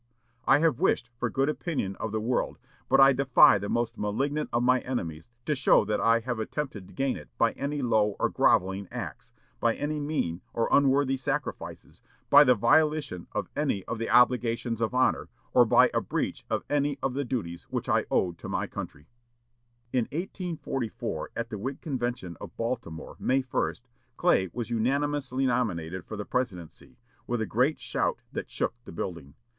"I have wished the good opinion of the world; but I defy the most malignant of my enemies to show that I have attempted to gain it by any low or grovelling acts, by any mean or unworthy sacrifices, by the violation of any of the obligations of honor, or by a breach of any of the duties which I owed to my country." In 1844, at the Whig convention at Baltimore, May 1, Clay was unanimously nominated for the presidency, with a great shout that shook the building.